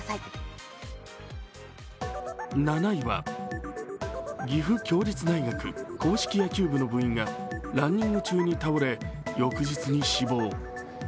７位は、岐阜協立大学硬式野球部の部員がランニング中に倒れ、翌日に死亡。